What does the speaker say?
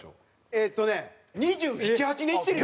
えっとね２７２８年行ってるよ。